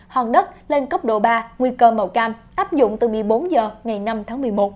hòn đất lên cấp độ ba nguy cơ màu cam áp dụng từ một mươi bốn h ngày năm tháng một mươi một